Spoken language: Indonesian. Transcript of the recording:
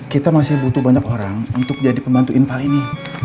kita masih butuh banyak orang untuk jadi pembantu inpal ini